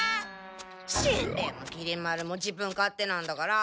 しんべヱもきり丸も自分勝手なんだから。